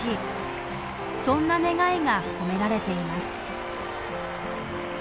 そんな願いが込められています。